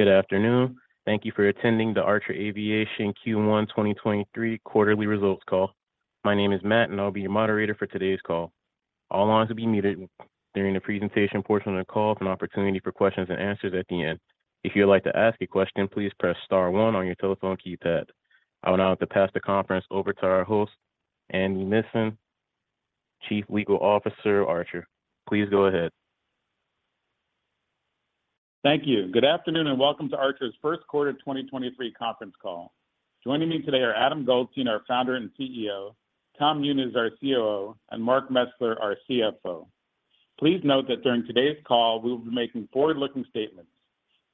Good afternoon. Thank you for attending the Archer Aviation Q1 2023 Quarterly Results Call. My name is Matt, and I'll be your moderator for today's call. All lines will be muted during the presentation portion of the call with an opportun ity for questions and answers at the end. If you would like to ask a question, please press star one on your telephone keypad. I would now like to pass the conference over to our host, Andy Nissen, Chief Legal Officer, Archer. Please go ahead. Thank you. Good afternoon, welcome to Archer's First Quarter 2023 Conference Call. Joining me today are Adam Goldstein, our Founder and CEO, Tom Muniz, our COO, and Mark Mesler, our CFO. Please note that during today's call, we will be making forward-looking statements.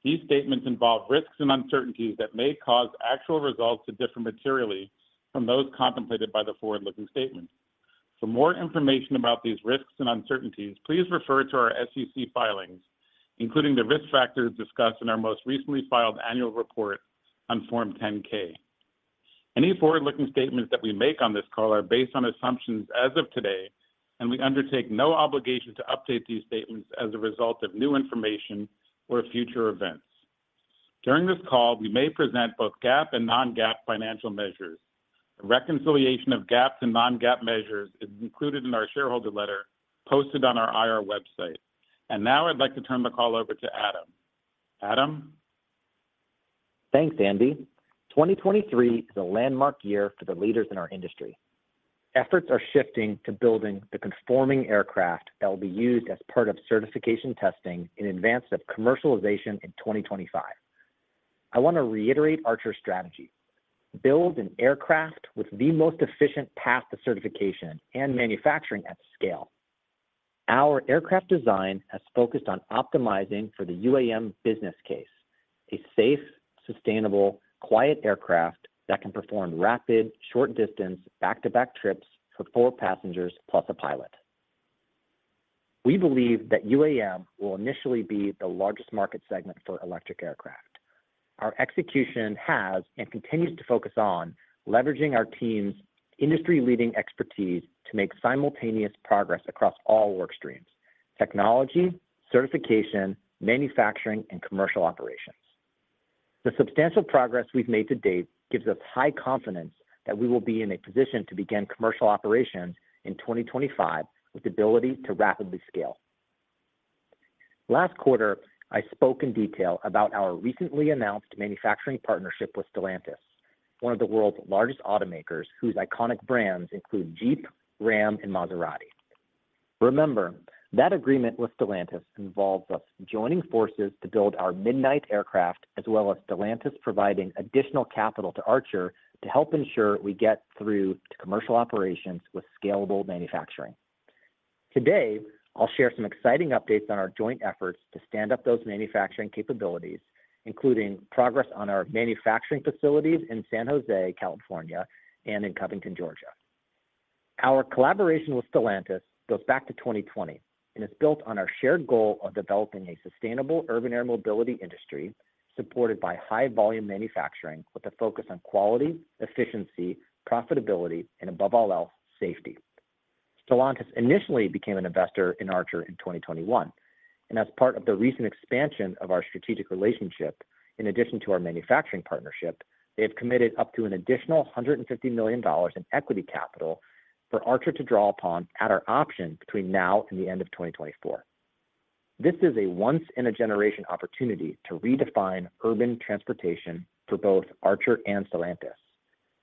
These statements involve risks and uncertainties that may cause actual results to differ materially from those contemplated by the forward-looking statements. For more information about these risks and uncertainties, please refer to our SEC filings, including the risk factors discussed in our most recently filed annual report on Form 10-K. Any forward-looking statements that we make on this call are based on assumptions as of today, we undertake no obligation to update these statements as a result of new information or future events. During this call, we may present both GAAP and non-GAAP financial measures. A reconciliation of GAAP to non-GAAP measures is included in our shareholder letter posted on our IR website. Now I'd like to turn the call over to Adam. Adam? Thanks, Andy. 2023 is a landmark year for the leaders in our industry. Efforts are shifting to building the conforming aircraft that will be used as part of certification testing in advance of commercialization in 2025. I want to reiterate Archer's strategy: build an aircraft with the most efficient path to certification and manufacturing at scale. Our aircraft design has focused on optimizing for the UAM business case, a safe, sustainable, quiet aircraft that can perform rapid, short-distance, back-to-back trips for four passengers plus a pilot. We believe that UAM will initially be the largest market segment for electric aircraft. Our execution has and continues to focus on leveraging our team's industry-leading expertise to make simultaneous progress across all work streams: technology, certification, manufacturing, and commercial operations. The substantial progress we've made to date gives us high confidence that we will be in a position to begin commercial operations in 2025 with the ability to rapidly scale. Last quarter, I spoke in detail about our recently announced manufacturing partnership with Stellantis, one of the world's largest automakers whose iconic brands include Jeep, Ram, and Maserati. Remember, that agreement with Stellantis involves us joining forces to build our Midnight as well as Stellantis providing additional capital to Archer to help ensure we get through to commercial operations with scalable manufacturing. Today, I'll share some exciting updates on our joint efforts to stand up those manufacturing capabilities, including progress on our manufacturing facilities in San Jose, California, and in Covington, Georgia. Our collaboration with Stellantis goes back to 2020 and is built on our shared goal of developing a sustainable urban air mobility industry supported by high-volume manufacturing with a focus on quality, efficiency, profitability, and above all else, safety. Stellantis initially became an investor in Archer in 2021, and as part of the recent expansion of our strategic relationship, in addition to our manufacturing partnership, they have committed up to an additional $150 million in equity capital for Archer to draw upon at our option between now and the end of 2024. This is a once-in-a-generation opportunity to redefine urban transportation for both Archer and Stellantis.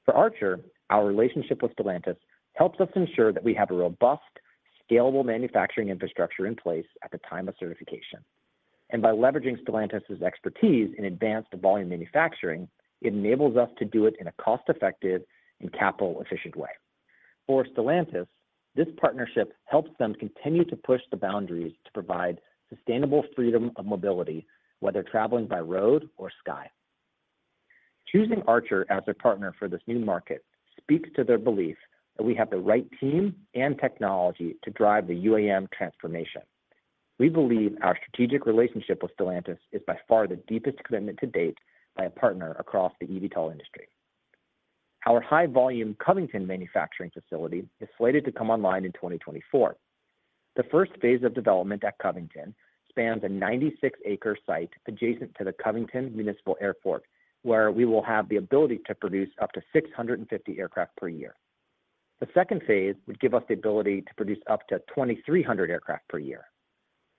For Archer, our relationship with Stellantis helps us ensure that we have a robust, scalable manufacturing infrastructure in place at the time of certification. By leveraging Stellantis's expertise in advanced volume manufacturing, it enables us to do it in a cost-effective and capital-efficient way. For Stellantis, this partnership helps them continue to push the boundaries to provide sustainable freedom of mobility, whether traveling by road or sky. Choosing Archer as their partner for this new market speaks to their belief that we have the right team and technology to drive the UAM transformation. We believe our strategic relationship with Stellantis is by far the deepest commitment to date by a partner across the eVTOL industry. Our high-volume Covington manufacturing facility is slated to come online in 2024. The first phase of development at Covington spans a 96-acre site adjacent to the Covington Municipal Airport, where we will have the ability to produce up to 650 aircraft per year. The second phase would give us the ability to produce up to 2,300 aircraft per year.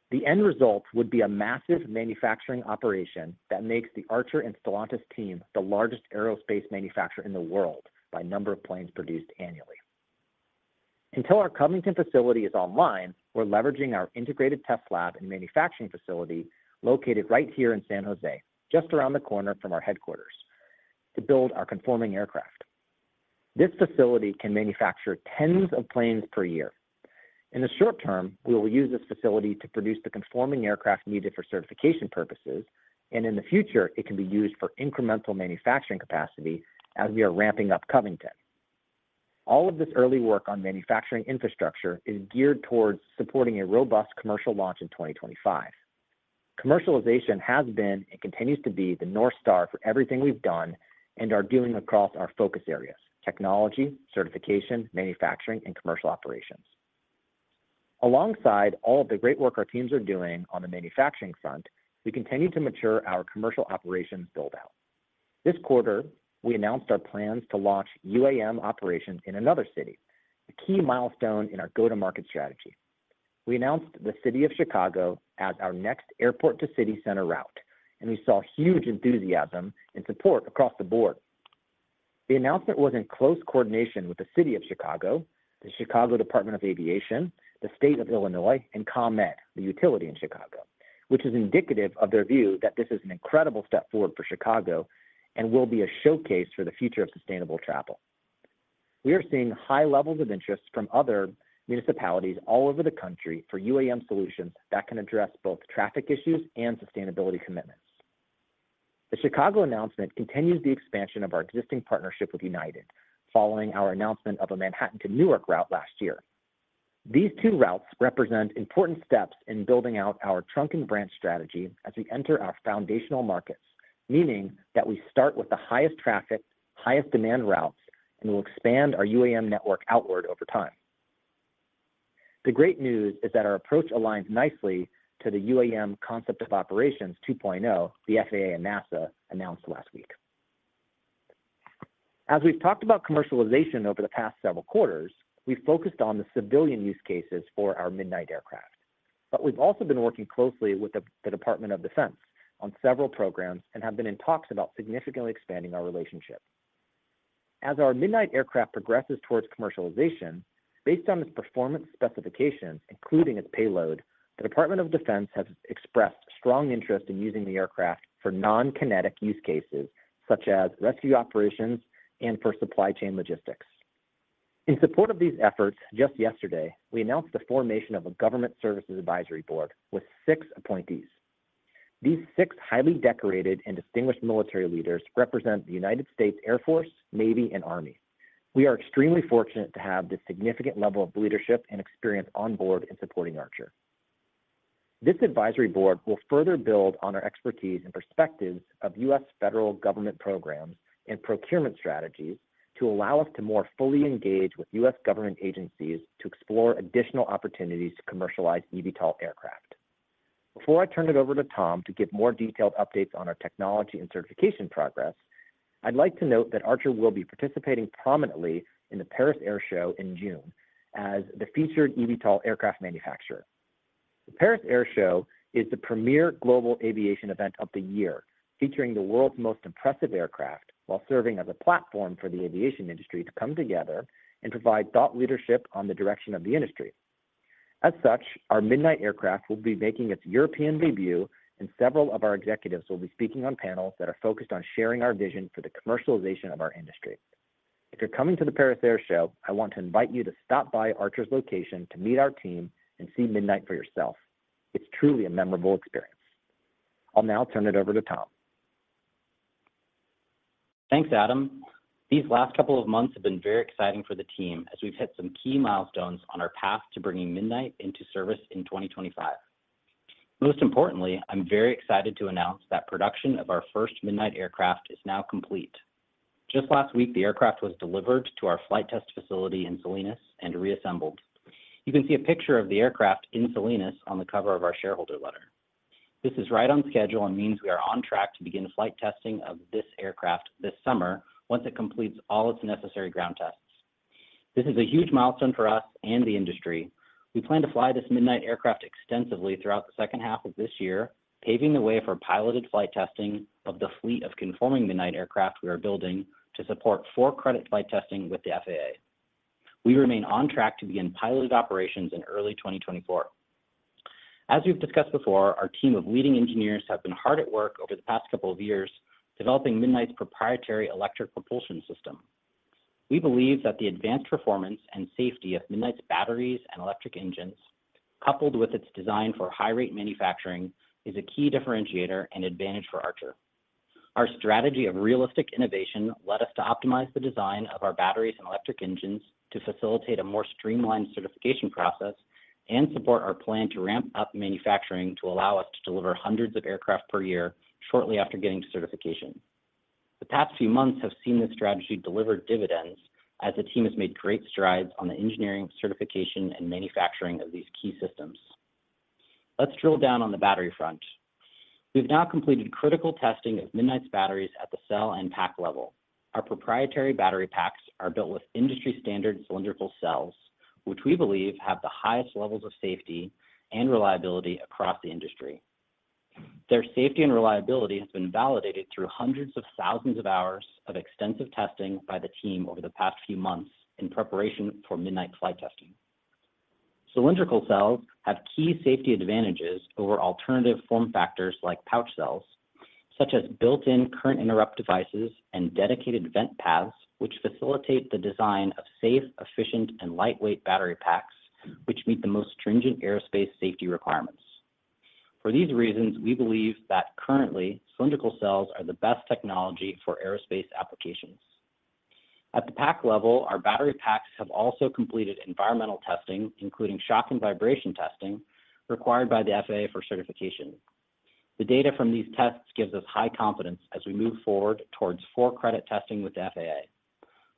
The end result would be a massive manufacturing operation that makes the Archer and Stellantis team the largest aerospace manufacturer in the world by number of planes produced annually. Until our Covington facility is online, we're leveraging our integrated test lab and manufacturing facility located right here in San Jose, just around the corner from our headquarters, to build our conforming aircraft. This facility can manufacture tens of planes per year. In the short term, we will use this facility to produce the conforming aircraft needed for certification purposes. In the future, it can be used for incremental manufacturing capacity as we are ramping up Covington. All of this early work on manufacturing infrastructure is geared towards supporting a robust commercial launch in 2025. Commercialization has been and continues to be the North Star for everything we've done and are doing across our focus areas: technology, certification, manufacturing, and commercial operations. Alongside all of the great work our teams are doing on the manufacturing front, we continue to mature our commercial operations build-out. This quarter, we announced our plans to launch UAM operations in another city, a key milestone in our go-to-market strategy. We announced the city of Chicago as our next airport-to-city-center route, and we saw huge enthusiasm and support across the board. The announcement was in close coordination with the city of Chicago, the Chicago Department of Aviation, the state of Illinois, and ComEd, the utility in Chicago, which is indicative of their view that this is an incredible step forward for Chicago and will be a showcase for the future of sustainable travel. We are seeing high levels of interest from other municipalities all over the country for UAM solutions that can address both traffic issues and sustainability commitments. The Chicago announcement continues the expansion of our existing partnership with United following our announcement of a Manhattan to Newark route last year. These two routes represent important steps in building out our trunk and branch strategy as we enter our foundational markets, meaning that we start with the highest traffic, highest demand routes, and we'll expand our UAM network outward over time. The great news is that our approach aligns nicely to the UAM Concept of Operations 2.0 the FAA and NASA announced last week. As we've talked about commercialization over the past several quarters, we've focused on the civilian use cases for our Midnight aircraft. We've also been working closely with the Department of Defense on several programs and have been in talks about significantly expanding our relationship. As our Midnight aircraft progresses towards commercialization, based on its performance specifications, including its payload, the Department of Defense has expressed strong interest in using the aircraft for non-kinetic use cases such as rescue operations and for supply chain logistics. In support of these efforts, just yesterday, we announced the formation of a government services advisory board with six appointees. These six highly decorated and distinguished military leaders represent the United States Air Force, Navy, and Army. We are extremely fortunate to have this significant level of leadership and experience on board in supporting Archer. This advisory board will further build on our expertise and perspectives of U.S. federal government programs and procurement strategies to allow us to more fully engage with U.S. government agencies to explore additional opportunities to commercialize eVTOL aircraft. Before I turn it over to Tom to give more detailed updates on our technology and certification progress, I'd like to note that Archer will be participating prominently in the Paris Air Show in June as the featured eVTOL aircraft manufacturer. The Paris Air Show is the premier global aviation event of the year, featuring the world's most impressive aircraft while serving as a platform for the aviation industry to come together and provide thought leadership on the direction of the industry. Our Midnight aircraft will be making its European debut and several of our executives will be speaking on panels that are focused on sharing our vision for the commercialization of our industry. If you're coming to the Paris Air Show, I want to invite you to stop by Archer's location to meet our team and see Midnight for yourself. It's truly a memorable experience. I'll now turn it over to Tom. Thanks, Adam. These last couple of months have been very exciting for the team as we've hit some key milestones on our path to bringing Midnight into service in 2025. Most importantly, I'm very excited to announce that production of our first Midnight aircraft is now complete. Just last week, the aircraft was delivered to our flight test facility in Salinas and reassembled. You can see a picture of the aircraft in Salinas on the cover of our shareholder letter. This is right on schedule and means we are on track to begin flight testing of this aircraft this summer once it completes all its necessary ground tests. This is a huge milestone for us and the industry. We plan to fly this Midnight aircraft extensively throughout the second half of this year, paving the way for piloted flight testing of the fleet of conforming Midnight aircraft we are building to support for-credit flight testing with the FAA. We remain on track to begin piloted operations in early 2024. As we've discussed before, our team of leading engineers have been hard at work over the past couple of years developing Midnight's proprietary electric propulsion system. We believe that the advanced performance and safety of Midnight's batteries and electric engines, coupled with its design for high-rate manufacturing, is a key differentiator and advantage for Archer. Our strategy of realistic innovation led us to optimize the design of our batteries and electric engines to facilitate a more streamlined certification process and support our plan to ramp up manufacturing to allow us to deliver hundreds of aircraft per year shortly after getting certification. The past few months have seen this strategy deliver dividends as the team has made great strides on the engineering, certification, and manufacturing of these key systems. Let's drill down on the battery front. We've now completed critical testing of Midnight's batteries at the cell and pack level. Our proprietary battery packs are built with industry-standard cylindrical cells, which we believe have the highest levels of safety and reliability across the industry. Their safety and reliability has been validated through hundreds of thousands of hours of extensive testing by the team over the past few months in preparation for Midnight flight testing. Cylindrical cells have key safety advantages over alternative form factors like pouch cells, such as built-in current interrupt devices and dedicated vent paths which facilitate the design of safe, efficient, and lightweight battery packs which meet the most stringent aerospace safety requirements. For these reasons, we believe that currently cylindrical cells are the best technology for aerospace applications. At the pack level, our battery packs have also completed environmental testing, including shock and vibration testing required by the FAA for certification. The data from these tests gives us high confidence as we move forward towards for-credit testing with the FAA.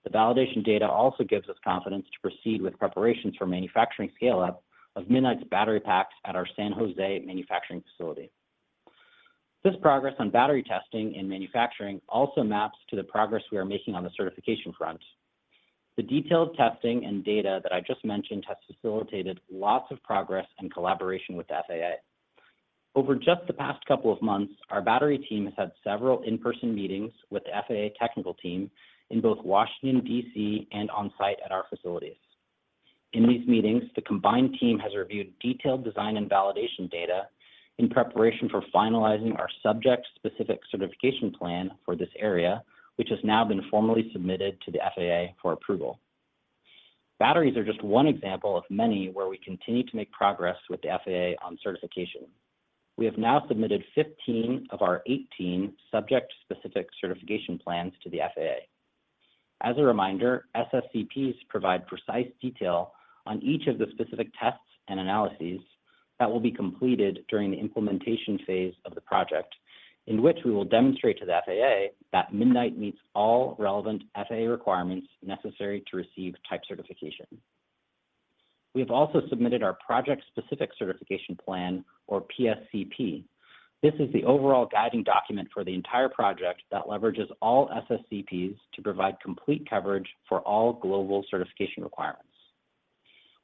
The validation data also gives us confidence to proceed with preparations for manufacturing scale-up of Midnight's battery packs at our San Jose manufacturing facility. This progress on battery testing and manufacturing also maps to the progress we are making on the certification front. The detailed testing and data that I just mentioned has facilitated lots of progress and collaboration with the FAA. Over just the past couple of months, our battery team has had several in-person meetings with the FAA technical team in both Washington D.C. and on-site at our facilities. In these meetings, the combined team has reviewed detailed design and validation data in preparation for finalizing our Subject-Specific Certification Plan for this area, which has now been formally submitted to the FAA for approval. Batteries are just one example of many where we continue to make progress with the FAA on certification. We have now submitted 15 of our 18 Subject-Specific Certification Plans to the FAA. As a reminder, SSCPs provide precise detail on each of the specific tests and analyses that will be completed during the implementation phase of the project, in which we will demonstrate to the FAA that Midnight meets all relevant FAA requirements necessary to receive type certification. We have also submitted our Project-Specific Certification Plan or PSCP. This is the overall guiding document for the entire project that leverages all SSCPs to provide complete coverage for all global certification requirements.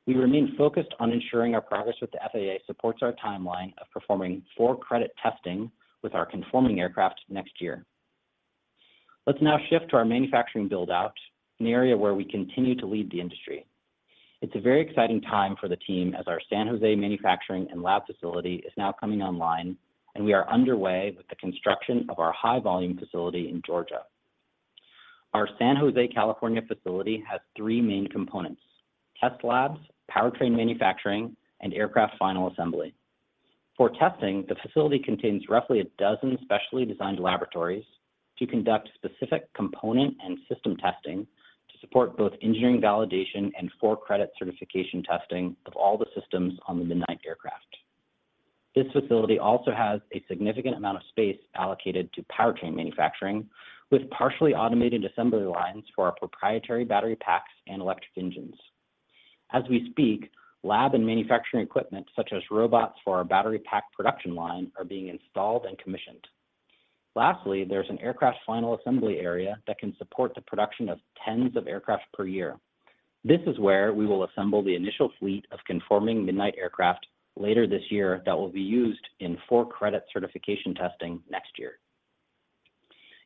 We remain focused on ensuring our progress with the FAA supports our timeline of performing for-credit flight testing with our conforming aircraft next year. Let's now shift to our manufacturing build-out, an area where we continue to lead the industry. It's a very exciting time for the team as our San Jose manufacturing and lab facility is now coming online, and we are underway with the construction of our high-volume facility in Georgia. Our San Jose, California, facility has three main components: test labs, powertrain manufacturing, and aircraft final assembly. For testing, the facility contains roughly 12 specially designed laboratories to conduct specific component and system testing to support both engineering validation and for-credit certification testing of all the systems on the Midnight aircraft. This facility also has a significant amount of space allocated to powertrain manufacturing, with partially automated assembly lines for our proprietary battery packs and electric engines. As we speak, lab and manufacturing equipment, such as robots for our battery pack production line, are being installed and commissioned. Lastly, there's an aircraft final assembly area that can support the production of tens of aircraft per year. This is where we will assemble the initial fleet of conforming Midnight aircraft later this year that will be used in for-credit certification testing next year.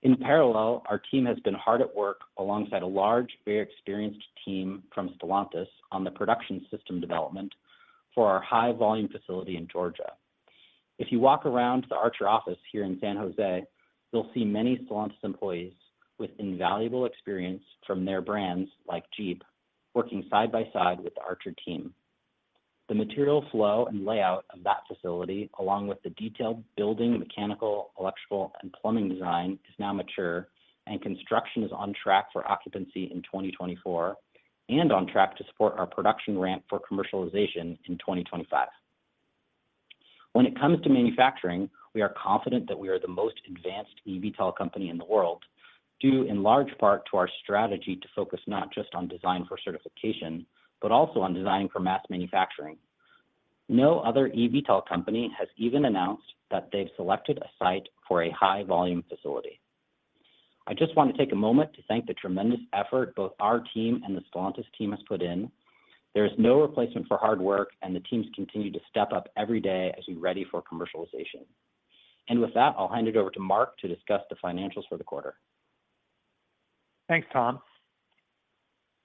In parallel, our team has been hard at work alongside a large, very experienced team from Stellantis on the production system development for our high-volume facility in Georgia. If you walk around the Archer office here in San Jose, you'll see many Stellantis employees with invaluable experience from their brands, like Jeep, working side by side with the Archer team. The material flow and layout of that facility, along with the detailed building, mechanical, electrical, and plumbing design, is now mature and construction is on track for occupancy in 2024 and on track to support our production ramp for commercialization in 2025. When it comes to manufacturing, we are confident that we are the most advanced eVTOL company in the world, due in large part to our strategy to focus not just on design for certification, but also on designing for mass manufacturing. No other eVTOL company has even announced that they've selected a site for a high-volume facility. I just want to take a moment to thank the tremendous effort both our team and the Stellantis team has put in. There is no replacement for hard work, and the teams continue to step up every day as we ready for commercialization. With that, I'll hand it over to Mark to discuss the financials for the quarter. Thanks, Tom.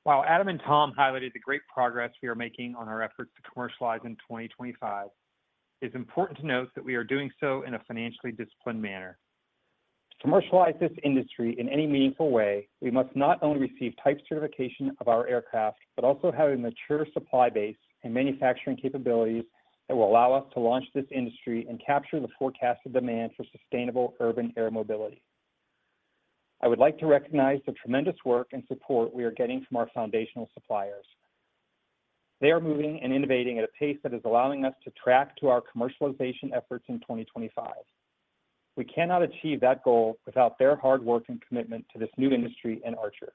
While Adam and Tom highlighted the great progress we are making on our efforts to commercialize in 2025, it's important to note that we are doing so in a financially disciplined manner. To commercialize this industry in any meaningful way, we must not only receive type certification of our aircraft, but also have a mature supply base and manufacturing capabilities that will allow us to launch this industry and capture the forecasted demand for sustainable urban air mobility. I would like to recognize the tremendous work and support we are getting from our foundational suppliers. They are moving and innovating at a pace that is allowing us to track to our commercialization efforts in 2025. We cannot achieve that goal without their hard work and commitment to this new industry and Archer.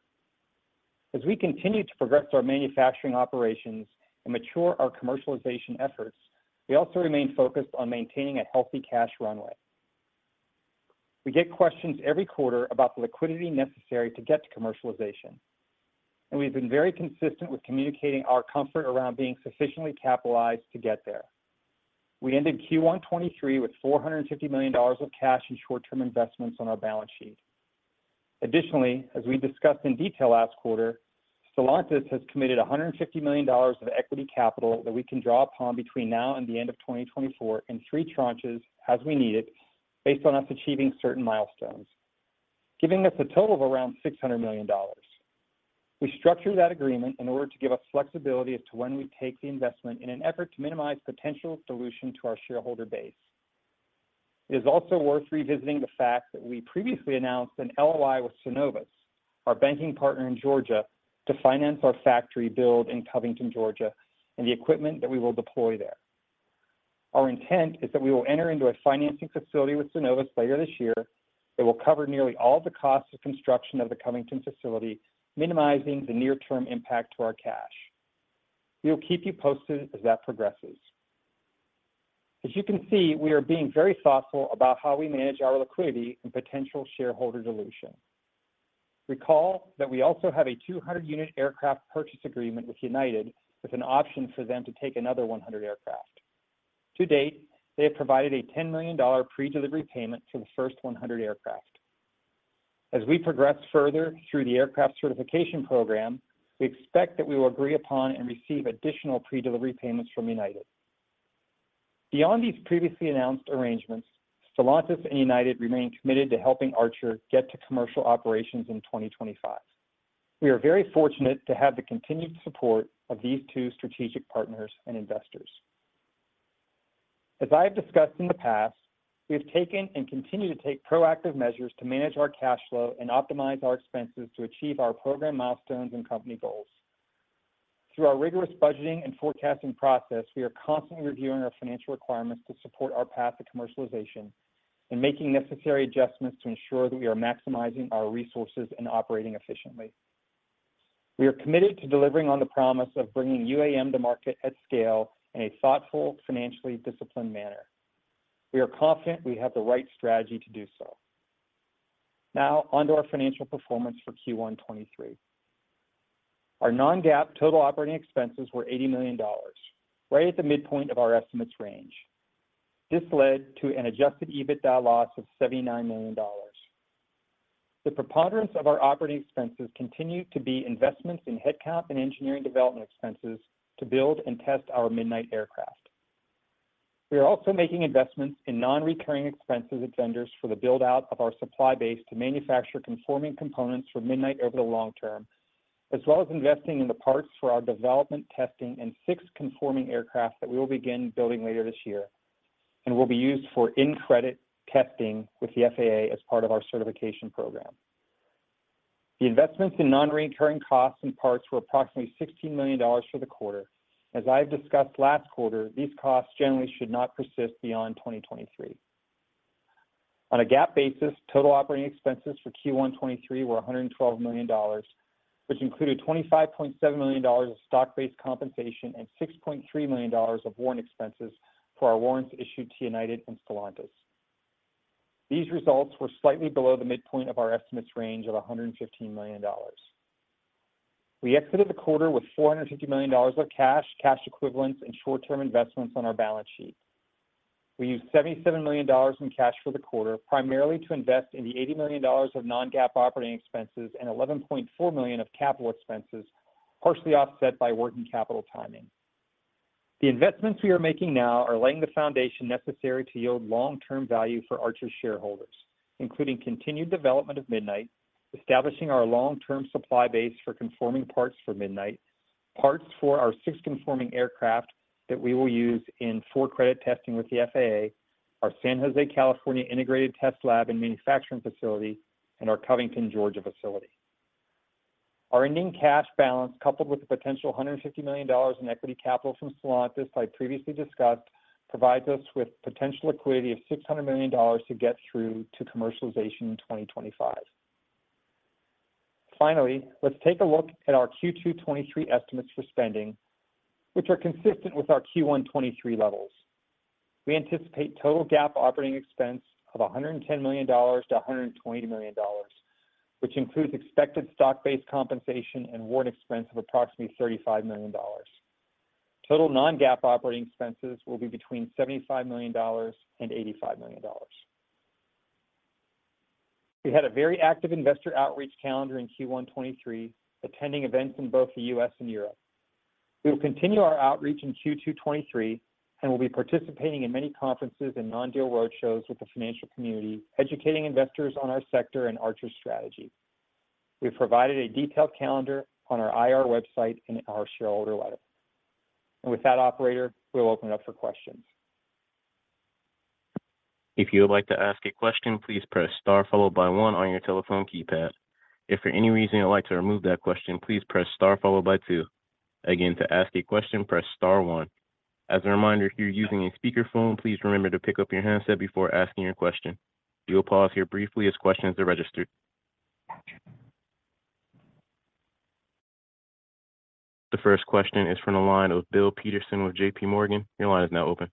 As we continue to progress our manufacturing operations and mature our commercialization efforts, we also remain focused on maintaining a healthy cash runway. We get questions every quarter about the liquidity necessary to get to commercialization. We've been very consistent with communicating our comfort around being sufficiently capitalized to get there. We ended Q1 2023 with $450 million of cash and short-term investments on our balance sheet. Additionally, as we discussed in detail last quarter, Stellantis has committed $150 million of equity capital that we can draw upon between now and the end of 2024 in three tranches as we need it, based on us achieving certain milestones, giving us a total of around $600 million. We structured that agreement in order to give us flexibility as to when we take the investment in an effort to minimize potential dilution to our shareholder base. It is also worth revisiting the fact that we previously announced an LOI with Synovus. Our banking partner in Georgia to finance our factory build in Covington, Georgia, and the equipment that we will deploy there. Our intent is that we will enter into a financing facility with Synovus later this year that will cover nearly all the costs of construction of the Covington facility, minimizing the near-term impact to our cash. We will keep you posted as that progresses. As you can see, we are being very thoughtful about how we manage our liquidity and potential shareholder dilution. Recall that we also have a 200-unit aircraft purchase agreement with United, with an option for them to take another 100 aircraft. To date, they have provided a $10 million predelivery payment for the first 100 aircraft. As we progress further through the aircraft certification program, we expect that we will agree upon and receive additional predelivery payments from United. Beyond these previously announced arrangements, Stellantis and United remain committed to helping Archer get to commercial operations in 2025. We are very fortunate to have the continued support of these two strategic partners and investors. As I have discussed in the past, we have taken and continue to take proactive measures to manage our cash flow and optimize our expenses to achieve our program milestones and company goals. Through our rigorous budgeting and forecasting process, we are constantly reviewing our financial requirements to support our path to commercialization and making necessary adjustments to ensure that we are maximizing our resources and operating efficiently. We are committed to delivering on the promise of bringing UAM to market at scale in a thoughtful, financially disciplined manner. We are confident we have the right strategy to do so. On to our financial performance for Q1 2023. Our non-GAAP total operating expenses were $80 million, right at the midpoint of our estimates range. This led to an adjusted EBITDA loss of $79 million. The preponderance of our operating expenses continue to be investments in head count and engineering development expenses to build and test our Midnight aircraft. We are also making investments in non-recurring expenses and vendors for the build-out of our supply base to manufacture conforming components for Midnight over the long term, as well as investing in the parts for our development testing and six conforming aircraft that we will begin building later this year and will be used for in-credit testing with the FAA as part of our certification program. The investments in non-recurring costs and parts were approximately $16 million for the quarter. As I have discussed last quarter, these costs generally should not persist beyond 2023. On a GAAP basis, total operating expenses for Q1 2023 were $112 million, which included $25.7 million of stock-based compensation and $6.3 million of warrant expenses for our warrants issued to United and Stellantis. These results were slightly below the midpoint of our estimates range of $115 million. We exited the quarter with $450 million of cash equivalents and short-term investments on our balance sheet. We used $77 million in cash for the quarter, primarily to invest in the $80 million of non-GAAP operating expenses and $11.4 million of capital expenses, partially offset by working capital timing. The investments we are making now are laying the foundation necessary to yield long-term value for Archer's shareholders, including continued development of Midnight, establishing our long-term supply base for conforming parts for Midnight, parts for our six conforming aircraft that we will use in fore-credit testing with the FAA, our San Jose, California integrated test lab and manufacturing facility, and our Covington, Georgia facility. Our ending cash balance, coupled with the potential $150 million in equity capital from Stellantis I previously discussed, provides us with potential liquidity of $600 million to get through to commercialization in 2025. Let's take a look at our Q2 2023 estimates for spending, which are consistent with our Q1 2023 levels. We anticipate total GAAP operating expense of $110 million-$120 million, which includes expected stock-based compensation and warrant expense of approximately $35 million. Total non-GAAP operating expenses will be between $75 million and $85 million. We had a very active investor outreach calendar in Q1 2023, attending events in both the U.S. and Europe. We will continue our outreach in Q2 2023, we'll be participating in many conferences and non-deal roadshows with the financial community, educating investors on our sector and Archer's strategy. We have provided a detailed calendar on our IR website and our shareholder letter. With that, operator, we'll open it up for questions. If you would like to ask a question, please press star followed by one on your telephone keypad. If for any reason you'd like to remove that question, please press star followed by two. Again, to ask a question, press star one. As a reminder, if you're using a speakerphone, please remember to pick up your handset before asking your question. We will pause here briefly as questions are registered. The first question is from the line of Bill Peterson with JP Morgan. Your line is now open.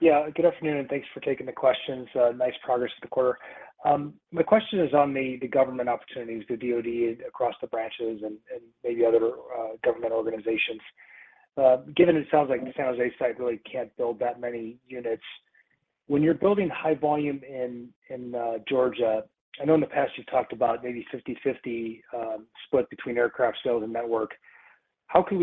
Yeah. Good afternoon, thanks for taking the questions. Nice progress for the quarter. My question is on the government opportunities, the DoD across the branches and maybe other government organizations. Given it sounds like the San Jose site really can't build that many units, when you're building high volume in Georgia, I know in the past you've talked about maybe 50/50 split between aircraft sales and network. How should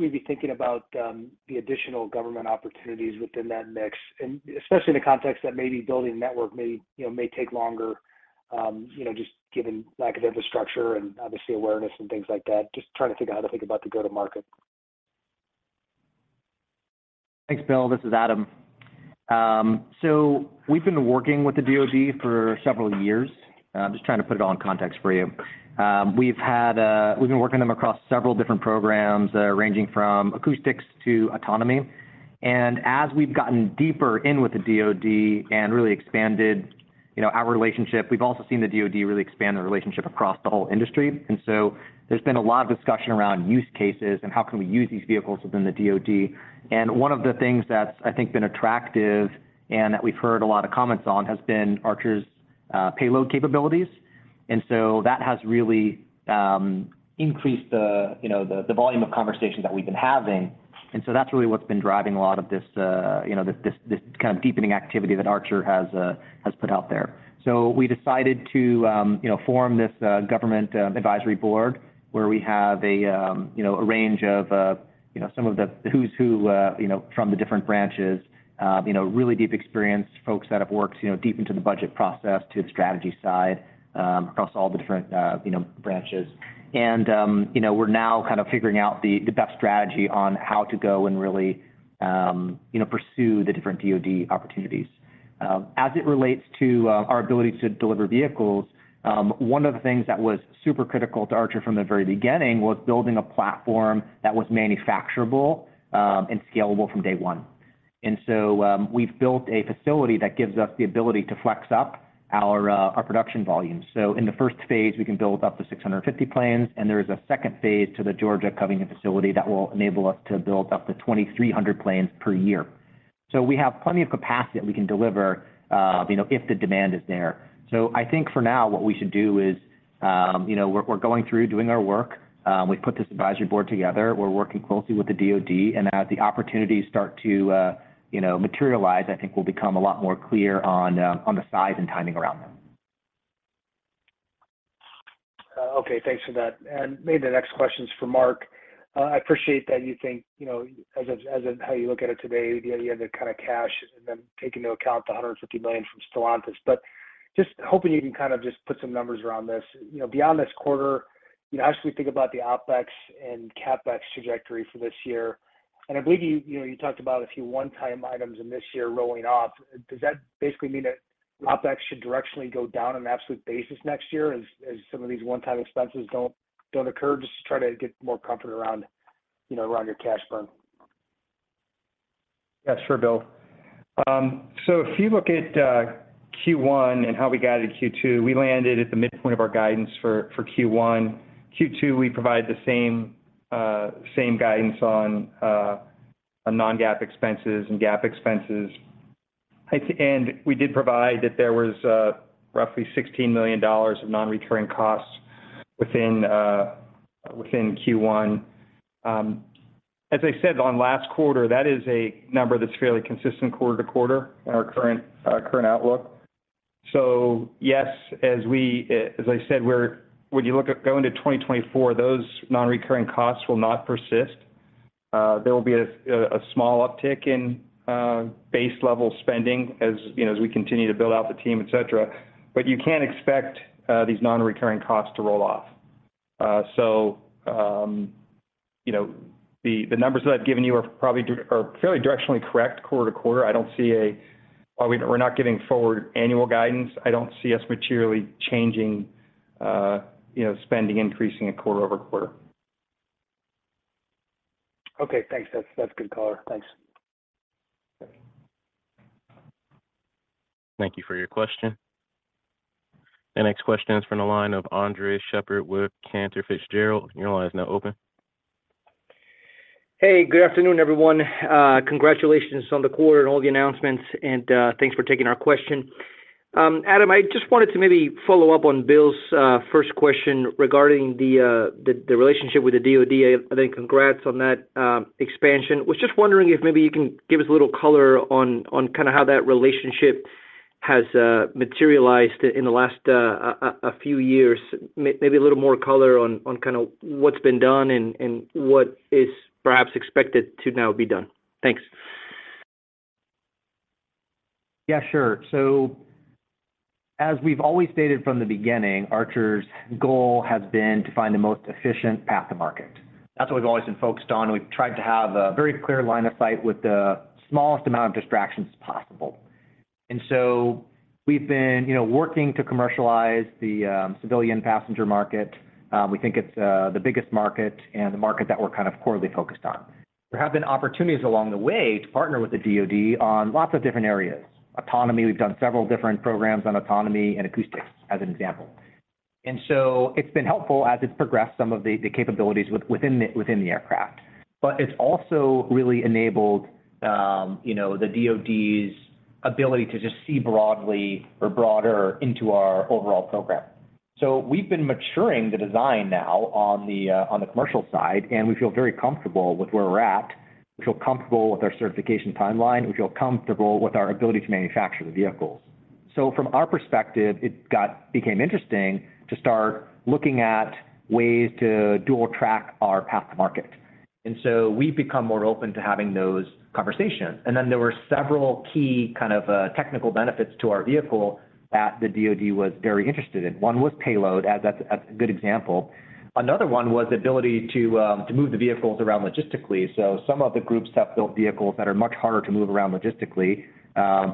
we be thinking about the additional government opportunities within that mix? Especially in the context that maybe building network may, you know, may take longer, you know, just given lack of infrastructure and obviously awareness and things like that, just trying to figure out how to think about the go-to-market. Thanks, Bill. This is Adam. We've been working with the DoD for several years. I'm just trying to put it all in context for you. We've been working with them across several different programs, ranging from acoustics to autonomy. As we've gotten deeper in with the DoD and really expanded, you know, our relationship, we've also seen the DoD really expand their relationship across the whole industry. There's been a lot of discussion around use cases and how can we use these vehicles within the DoD. One of the things that's been attractive and that we've heard a lot of comments on, has been Archer's payload capabilities. That has really increased the volume of conversations that we've been having. That's really what's been driving a lot of this kind of deepening activity that Archer has put out there. We decided to form this government advisory board where we have a range of some of the who's who, you know, from the different branches. You know, really deep experienced folks that have worked deep into the budget process to the strategy side, across all the different branches. We're now kind of figuring out the best strategy on how to go and really pursue the different DoD opportunities. As it relates to our ability to deliver vehicles, one of the things that was super critical to Archer from the very beginning was building a platform that was manufacturable and scalable from day one. We've built a facility that gives us the ability to flex up our production volumes. In the first phase, we can build up to 650 planes, and there is a second phase to the Georgia Covington facility that will enable us to build up to 2,300 planes per year. We have plenty of capacity that we can deliver, if the demand is there. I think for now, what we should do is, you know, we're going through doing our work. We've put this advisory board together. We're working closely with the DoD as the opportunities start to, you know, materialize, I think we'll become a lot more clear on the size and timing around them. Okay. Thanks for that. Maybe the next question is for Mark. I appreciate that you think, you know, as of how you look at it today, you have the kind of cash and then take into account the $150 million from Stellantis. Just hoping you can kind of just put some numbers around this. You know, beyond this quarter, you know, as we think about the OpEx and CapEx trajectory for this year, and I believe you know, you talked about a few one-time items in this year rolling off. Does that basically mean that OpEx should directionally go down on an absolute basis next year as some of these one-time expenses don't occur? Just try to get more comfort around, you know, your cash burn. Yeah, sure, Bill. If you look at Q1 and how we guided Q2, we landed at the midpoint of our guidance for Q1. Q2, we provide the same guidance on a non-GAAP expenses and GAAP expenses. We did provide that there was roughly $16 million of non-recurring costs within Q1. As I said on last quarter, that is a number that's fairly consistent quarter to quarter in our current outlook. Yes, as I said, we're when you look at going to 2024, those non-recurring costs will not persist. There will be a small uptick in base-level spending as, you know, as we continue to build out the team, et cetera. You can expect these non-recurring costs to roll off. You know, the numbers that I've given you are fairly directionally correct quarter to quarter. While we're not giving forward annual guidance, I don't see us materially changing, you know, spending increasing it quarter over quarter. Okay, thanks. That's good color. Thanks. Thank you. Thank you for your question. The next question is from the line of Andres Sheppard with Cantor Fitzgerald. Your line is now open. Hey, good afternoon, everyone. Congratulations on the quarter and all the announcements, and thanks for taking our question. Adam, I just wanted to maybe follow up on Bill's first question regarding the relationship with the DoD. Congrats on that expansion. Was just wondering if maybe you can give us a little color on kind of how that relationship has materialized in the last a few years. Maybe a little more color on kind of what's been done and what is perhaps expected to now be done. Thanks. Yeah, sure. As we've always stated from the beginning, Archer's goal has been to find the most efficient path to market. That's what we've always been focused on. We've tried to have a very clear line of sight with the smallest amount of distractions possible. We've been working to commercialize the civilian passenger market. We think it's the biggest market and the market that we're kind of corely focused on. There have been opportunities along the way to partner with the DoD on lots of different areas. Autonomy, we've done several different programs on autonomy and acoustics, as an example. It's been helpful as it's progressed some of the capabilities within the aircraft. It's also really enabled the DoD's ability to just see broadly or broader into our overall program. We've been maturing the design now on the commercial side, and we feel very comfortable with where we're at. We feel comfortable with our certification timeline. We feel comfortable with our ability to manufacture the vehicles. From our perspective, it became interesting to start looking at ways to dual track our path to market. We've become more open to having those conversations. There were several key kind of technical benefits to our vehicle that the DoD was very interested in. One was payload, as that's a good example. Another one was the ability to move the vehicles around logistically. Some of the groups have built vehicles that are much harder to move around logistically.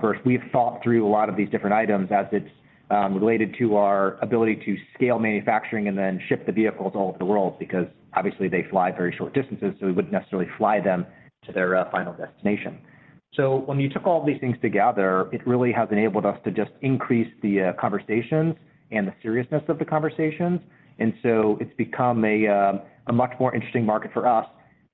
Versus we've thought through a lot of these different items as it's. Related to our ability to scale manufacturing and then ship the vehicles all over the world because obviously they fly very short distances, so we wouldn't necessarily fly them to their final destination. When you took all these things together, it really has enabled us to just increase the conversations and the seriousness of the conversations. It's become a much more interesting market for us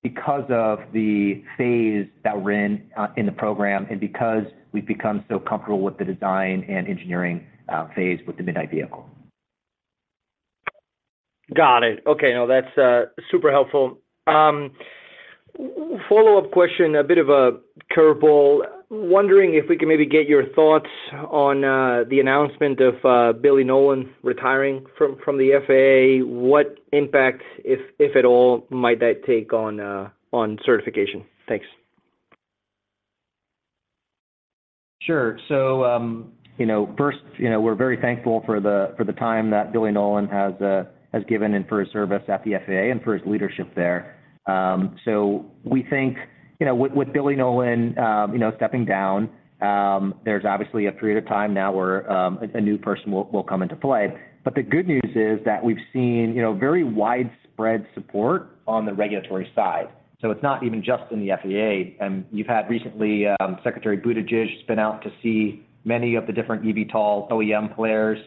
because of the phase that we're in in the program and because we've become so comfortable with the design and engineering phase with the Midnight vehicle. Got it. Okay. No, that's super helpful. Follow-up question, a bit of a curveball. Wondering if we can maybe get your thoughts on the announcement of Billy Nolen retiring from the FAA. What impact, if at all, might that take on certification? Thanks. Sure. First, we're very thankful for the time that Billy Nolen has given and for his service at the FAA and for his leadership there. We think with Billy Nolen stepping down, there's obviously a period of time now where a new person will come into play. The good news is that we've seen very widespread support on the regulatory side. It's not even just in the FAA. You've had recently, Secretary Buttigieg spin out to see many of the different eVTOL OEM players.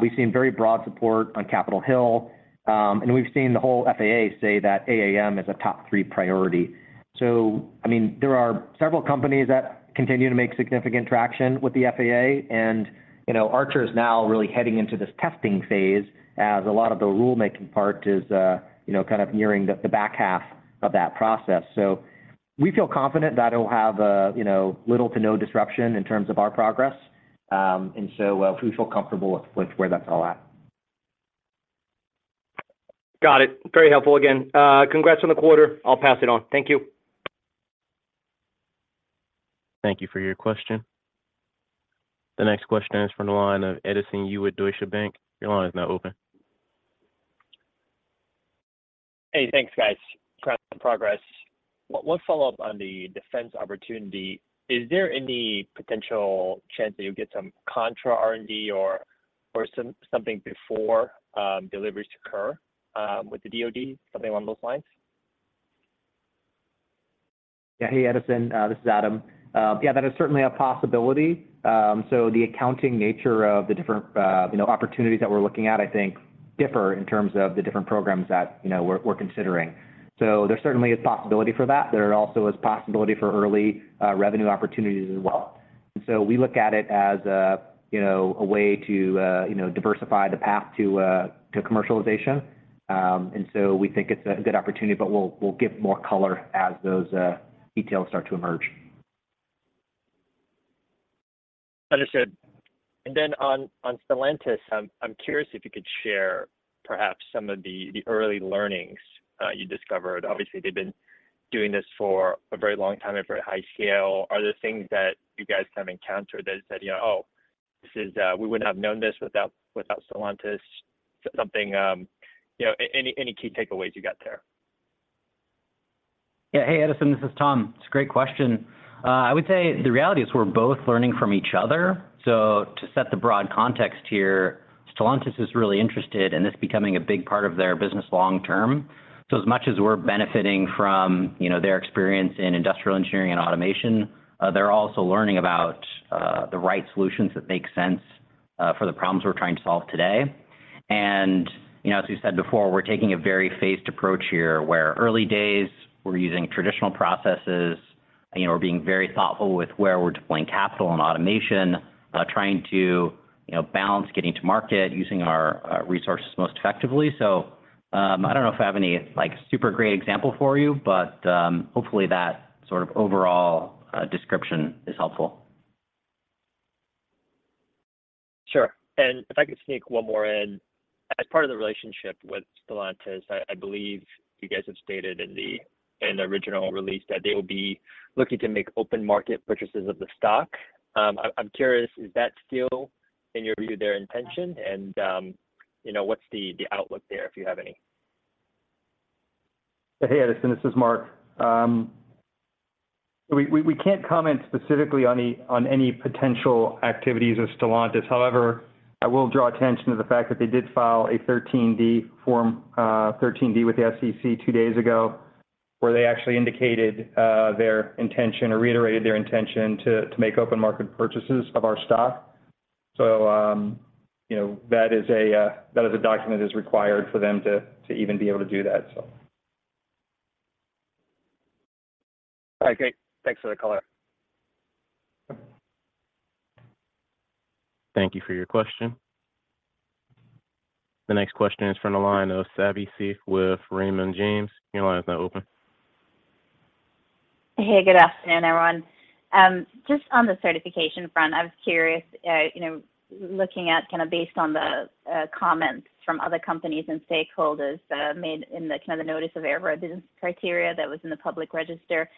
We've seen very broad support on Capitol Hill. We've seen the whole FAA say that AAM is a top three priority. I mean, there are several companies that continue to make significant traction with the FAA. You know, Archer is now really heading into this testing phase as a lot of the rulemaking part is kind of nearing the back half of that process. We feel confident that it'll have a, you know, little to no disruption in terms of our progress. We feel comfortable with where that's all at. Got it. Very helpful again. Congrats on the quarter. I'll pass it on. Thank you. Thank you for your question. The next question is from the line of Edison Yu with Deutsche Bank. Your line is now open. Hey, thanks, guys. Congrats on progress. One follow-up on the defense opportunity. Is there any potential chance that you'll get some contra R&D or something before deliveries occur with the DoD? Something along those lines? Hey, Edison, this is Adam. That is certainly a possibility. The accounting nature of the different, you know, opportunities that we're looking at, I think differ in terms of the different programs that, you know, we're considering. There certainly is possibility for that. There also is possibility for early revenue opportunities as well. We look at it as a, you know, a way to, you know, diversify the path to commercialization. We think it's a good opportunity, but we'll give more color as those details start to emerge. Understood. On Stellantis, I'm curious if you could share perhaps some of the early learnings you discovered. Obviously, they've been doing this for a very long time at very high scale. Are there things that you guys have encountered that said, you know, "Oh, this is, we wouldn't have known this without Stellantis." Something. You know, any key takeaways you got there? Yeah. Hey, Edison, this is Tom. It's a great question. I would say the reality is we're both learning from each other. To set the broad context here, Stellantis is really interested in this becoming a big part of their business long term. As much as we're benefiting from their experience in industrial engineering and automation, they're also learning about the right solutions that make sense for the problems we're trying to solve today. You know, as we've said before, we're taking a very phased approach here, where early days we're using traditional processes. You know, we're being very thoughtful with where we're deploying capital and automation, trying to, balance getting to market using our resources most effectively.I don't know if I have any like super great example for you, but, hopefully that sort of overall description is helpful. Sure. If I could sneak one more in. As part of the relationship with Stellantis, I believe you guys have stated in the original release that they will be looking to make open market purchases of the stock. I'm curious, is that still, in your view, their intention? What's the outlook there, if you have any? Hey, Edison, this is Mark. We can't comment specifically on any potential activities of Stellantis. However, I will draw attention to the fact that they did file a 13D form, 13D with the SEC two days ago, where they actually indicated their intention or reiterated their intention to make open market purchases of our stock. You know, that is a, that is a document that's required for them to even be able to do that. All right, great. Thanks for the color. Thank you for your question. The next question is from the line of Savanthi Syth with Raymond James. Your line is now open. Good afternoon, everyone. Just on the certification front, I was curious looking at kind of based on the comments from other companies and stakeholders, made in the kind of the Notice of Airworthiness Criteria that was in the public register,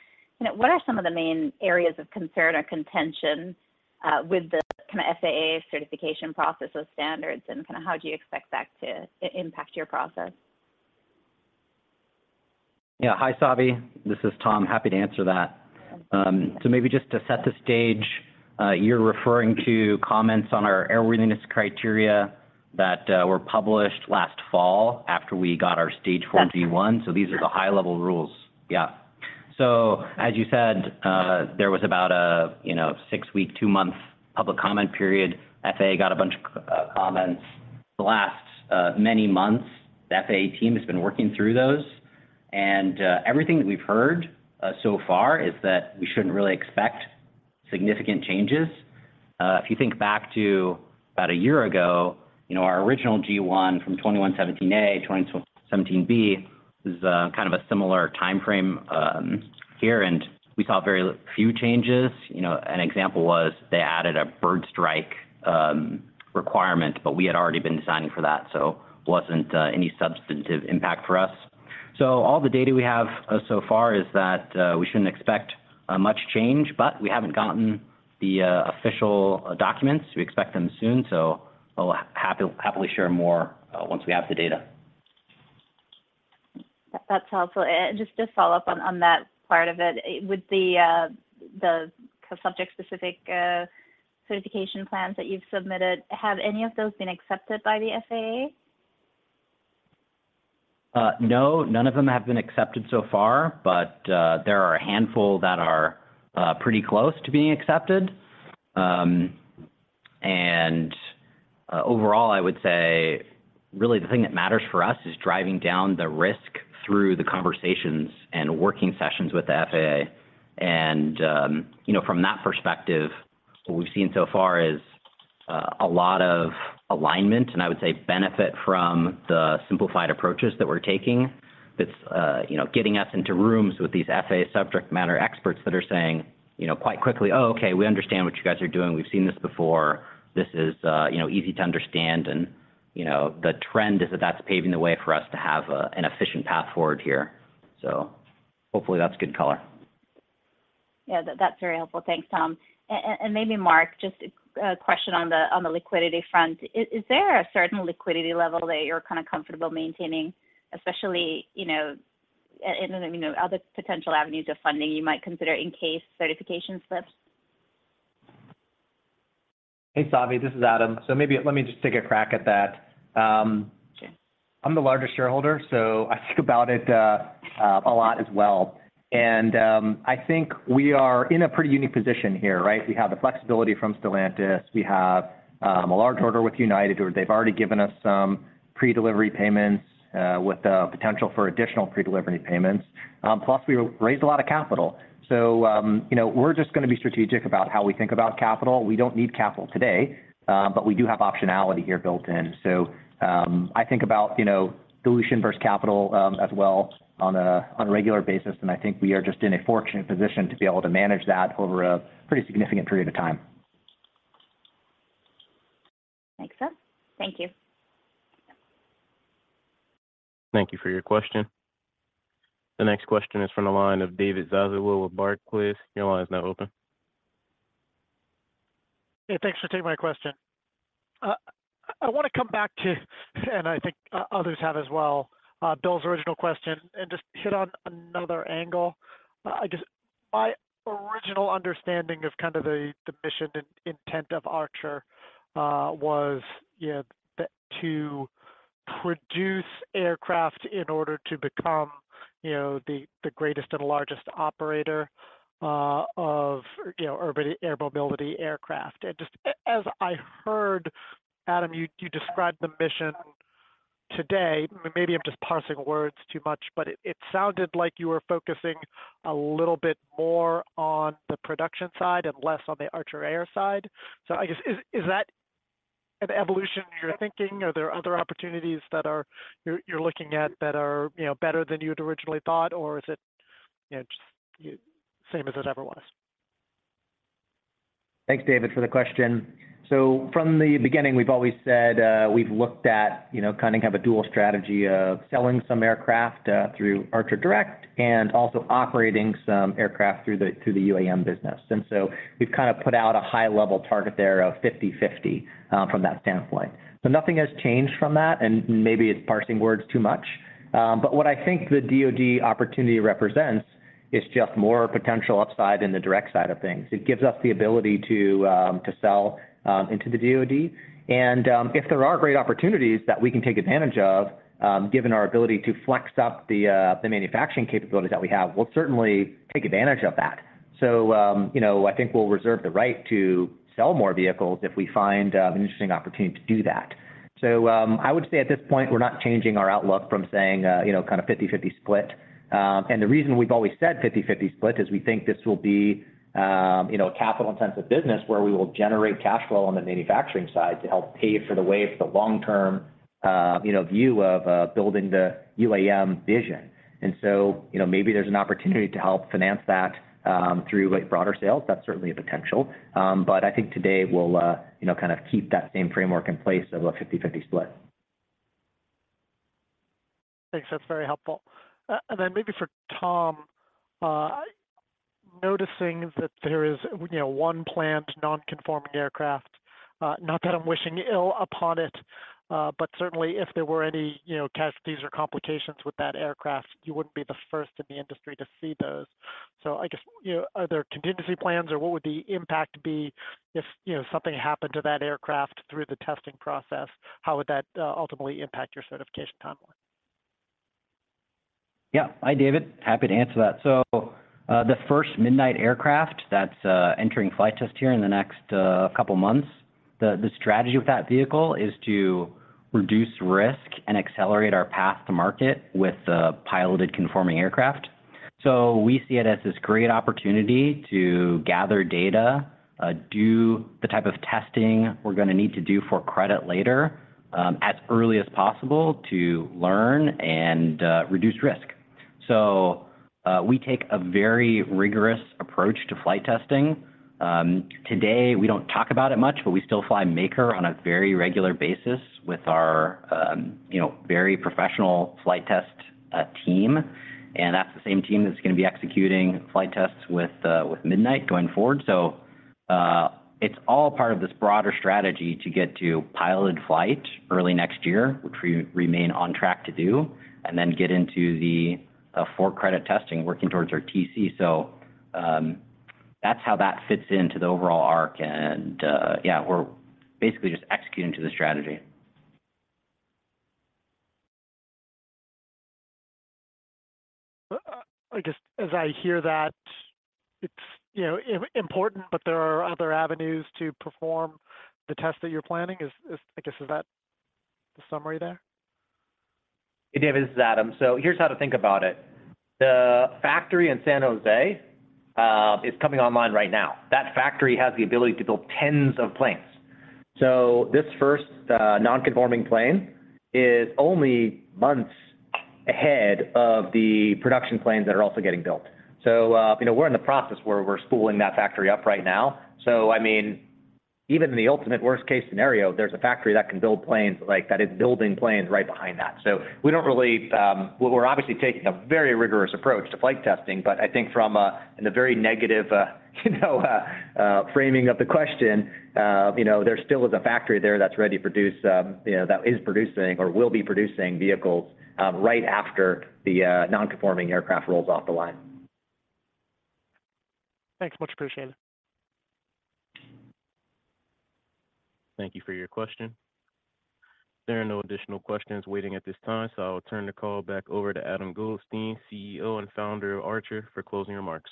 what are some of the main areas of concern or contention with the kind of FAA certification process or standards? Kind of how do you expect that to impact your process? Yeah. Hi, Savi. This is Tom. Happy to answer that. Maybe just to set the stage, you're referring to comments on our airworthiness criteria that were published last fall after we got our Stage 41. That's right. These are the high-level rules. Yeah. As you said, there was about a, you know, six-week, two-month public comment period. FAA got a bunch of comments. The last many months, the FAA team has been working through those, and everything that we've heard so far is that we shouldn't really expect significant changes. If you think back to about a year ago, our original G-1 from 2017A, 2017B is kind of a similar timeframe here, and we saw very few changes. You know, an example was they added a bird strike requirement, but we had already been designing for that, so wasn't any substantive impact for us. All the data we have so far is that we shouldn't expect much change, but we haven't gotten the official documents. We expect them soon. We'll happily share more once we have the data. That's helpful. Just to follow up on that part of it, with the Subject-Specific Certification Plans that you've submitted, have any of those been accepted by the FAA? No, none of them have been accepted so far, but there are a handful that are pretty close to being accepted. Overall, I would say really the thing that matters for us is driving down the risk through the conversations and working sessions with the FAA. You know, from that perspective, what we've seen so far is a lot of alignment, and I would say benefit from the simplified approaches that we're taking that's, you know, getting us into rooms with these FAA subject matter experts that are saying, you know, quite quickly, "Oh, okay, we understand what you guys are doing. We've seen this before. This is, you know, easy to understand." You know, the trend is that that's paving the way for us to have an efficient path forward here. Hopefully that's good color. Yeah. That's very helpful. Thanks, Tom. Maybe Mark, just a question on the liquidity front. Is there a certain liquidity level that you're kind of comfortable maintaining, especially, you know, and then, you know, other potential avenues of funding you might consider in case certification slips? Hey, Savi, this is Adam. Maybe let me just take a crack at that. I'm the largest shareholder, so I think about it a lot as well. I think we are in a pretty unique position here, right? We have the flexibility from Stellantis. We have a large order with United, where they've already given us some pre-delivery payments, with the potential for additional pre-delivery payments. Plus we raised a lot of capital. You know, we're just gonna be strategic about how we think about capital. We don't need capital today, but we do have optionality here built in. I think about, you know, dilution versus capital, as well on a regular basis, and I think we are just in a fortunate position to be able to manage that over a pretty significant period of time. Makes sense. Thank you. Thank you for your question. The next question is from the line of David Zazula with Barclays. Your line is now open. Hey, thanks for taking my question. I want to come back to, and I think others have as well, Bill's original question and just hit on another angle. My original understanding of kind of the mission and intent of Archer, was, you know, to produce aircraft in order to become, you know, the greatest and largest operator of urban air mobility aircraft. Just as I heard, Adam, you describe the mission today, maybe I'm just parsing words too much, but it sounded like you were focusing a little bit more on the production side and less on the Archer Air side. I guess, is that an evolution in your thinking? Are there other opportunities you're looking at that are, you know, better than you had originally thought or is it, you know, just you same as it ever was? Thanks, David, for the question. From the beginning, we've always said, we've looked at, you know, kind of have a dual strategy of selling some aircraft through Archer Direct and also operating some aircraft through the UAM business. We've kind of put out a high level target there of 50/50 from that standpoint. Nothing has changed from that, and maybe it's parsing words too much. What I think the DoD opportunity represents is just more potential upside in the direct side of things. It gives us the ability to sell into the DoD. If there are great opportunities that we can take advantage of, given our ability to flex up the manufacturing capabilities that we have, we'll certainly take advantage of that. You know, I think we'll reserve the right to sell more vehicles if we find an interesting opportunity to do that. I would say at this point, we're not changing our outlook from saying, you know, kind of 50/50 split. The reason we've always said 50/50 split is we think this will be, you know, a capital-intensive business where we will generate cash flow on the manufacturing side to help pay for the way for the long-term, you know, view of building the UAM vision. You know, maybe there's an opportunity to help finance that through like broader sales. That's certainly a potential. I think today we'll, you know, kind of keep that same framework in place of a 50/50 split. Thanks. That's very helpful. Maybe for Tom, Noticing that there is one plant non-conforming aircraft, not that I'm wishing ill upon it, but certainly if there were any, you know, casualties or complications with that aircraft, you wouldn't be the first in the industry to see those. I guess, you know, are there contingency plans or what would the impact be if, you know, something happened to that aircraft through the testing process? How would that ultimately impact your certification timeline? Yeah. Hi, David. Happy to answer that. The first Midnight aircraft that's entering flight test here in the next couple months, the strategy with that vehicle is to reduce risk and accelerate our path to market with a piloted conforming aircraft. We see it as this great opportunity to gather data, do the type of testing we're gonna need to do for credit later, as early as possible to learn and reduce risk. We take a very rigorous approach to flight testing. Today we don't talk about it much, but we still fly Maker on a very regular basis with our, you know, very professional flight test team. That's the same team that's gonna be executing flight tests with Midnight going forward. It's all part of this broader strategy to get to piloted flight early next year, which we remain on track to do, and then get into the full credit testing working towards our TC. That's how that fits into the overall arc and, yeah, we're basically just executing to the strategy. I guess as I hear that it's, you know, important, but there are other avenues to perform the test that you're planning is I guess, is that the summary there? Hey, David, this is Adam. Here's how to think about it. The factory in San Jose is coming online right now. That factory has the ability to build tens of planes. This first non-conforming plane is only months ahead of the production planes that are also getting built. You know, we're in the process where we're spooling that factory up right now. I mean, even in the ultimate worst case scenario, there's a factory that can build planes like that is building planes right behind that. We don't really. We're obviously taking a very rigorous approach to flight testing, but I think from a, in a very negative, you know, framing of the question, you know, there still is a factory there that's ready to produce, you know, that is producing or will be producing vehicles, right after the non-conforming aircraft rolls off the line. Thanks much. Appreciate it. Thank you for your question. There are no additional questions waiting at this time. I will turn the call back over to Adam Goldstein, CEO and founder of Archer, for closing remarks.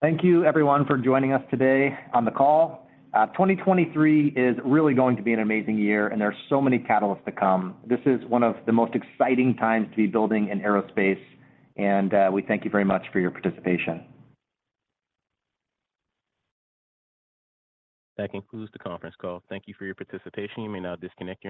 Thank you everyone for joining us today on the call. 2023 is really going to be an amazing year. There are so many catalysts to come. This is one of the most exciting times to be building in aerospace. We thank you very much for your participation. That concludes the conference call. Thank you for your participation. You may now disconnect your lines.